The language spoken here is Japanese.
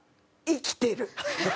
「生きてる！」